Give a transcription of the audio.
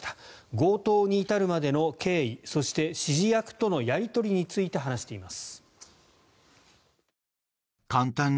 強盗に至るまでの経緯そして指示役とのやり取りについて話しています。